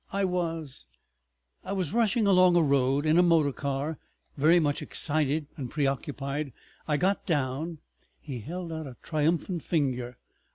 I was—I was rushing along a road in a motor car, very much excited and preoccupied. I got down——" He held out a triumphant finger.